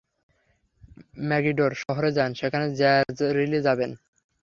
ম্যাগিডোর শহরে যান, সেখানে জ্যাযরিলে যাবেন।